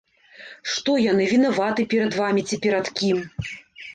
Што яны вінаваты перад вамі ці перад кім!